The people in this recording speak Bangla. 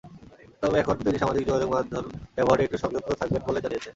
তবে এখন তিনি সামাজিক যোগাযোগমাধ্যম ব্যবহারে একটু সংযত থাকবেন বলে জানিয়েছেন।